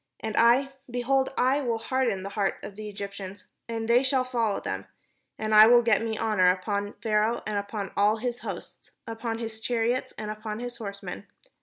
And I, behold, I will harden the hearts of the Egyptians, and they shall follow them; and I will get me honour upon Pharaoh, and upon all his host, upon his chariots, and upon his horsemen.